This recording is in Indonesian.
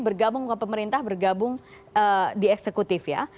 bergabung ke pemerintah bergabung di eksekutif ya